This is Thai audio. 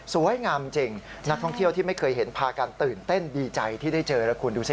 สวยงามจริงนักท่องเที่ยวที่ไม่เคยเห็นพากันตื่นเต้นดีใจที่ได้เจอแล้วคุณดูสิ